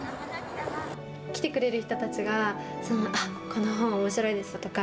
来てくれる人たちがなんか、この本おもしろいですよとか。